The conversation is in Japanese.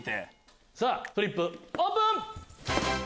フリップオープン！